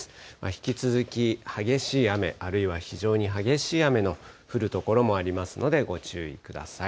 引き続き激しい雨、あるいは非常に激しい雨の降る所もありますので、ご注意ください。